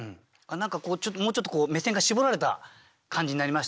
何かもうちょっと目線がしぼられた感じになりましたね。